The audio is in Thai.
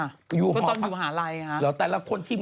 ก็ตอนอยู่หาไร้ฮะแต่ละคนที่มัน